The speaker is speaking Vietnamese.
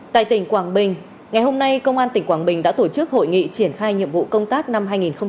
tại tỉnh quảng bình ngày hôm nay công an tỉnh quảng bình đã tổ chức hội nghị triển khai nhiệm vụ công tác năm hai nghìn hai mươi